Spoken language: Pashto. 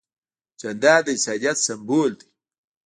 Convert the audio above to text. جانداد د انسانیت سمبول دی.